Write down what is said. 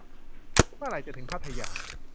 เมื่อไหร่จะถึงพัทยา